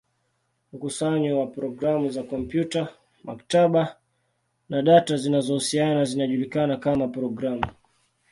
Mkusanyo wa programu za kompyuta, maktaba, na data zinazohusiana zinajulikana kama programu.